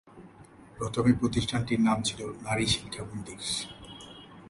প্রথমে প্রতিষ্ঠানটির নাম ছিল নারী শিক্ষা মন্দির।